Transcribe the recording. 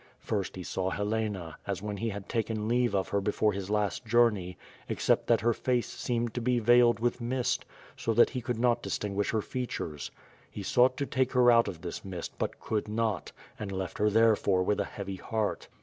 First he saw Helena, as when he had taken leave of her before his last journey, except that her face seemed to be veiled wath mist, so that he could not distinguish her features. He sought to take her out of this mist but could not, and left her therefore with a heavy heart.